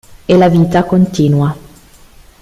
E la vita continua